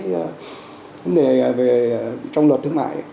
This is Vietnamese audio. vấn đề về trong luật thương mại